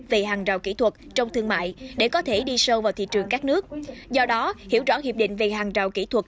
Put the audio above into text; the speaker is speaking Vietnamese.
về hàng rào kỹ thuật trong thương mại để có thể đi sâu vào thị trường các nước do đó hiểu rõ hiệp định về hàng rào kỹ thuật